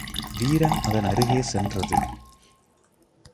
வீரன் அதன் அருகே சென்றது.